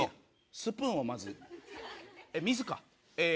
スプーンをまず、水か。